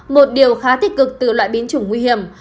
một điều khá tích cực từ loại biến chủng nguy hiểm